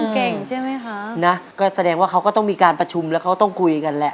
เก่งใช่ไหมคะนะก็แสดงว่าเขาก็ต้องมีการประชุมแล้วเขาต้องคุยกันแหละ